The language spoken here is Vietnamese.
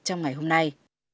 trong ngày hôm nay